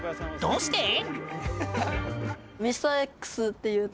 どうして？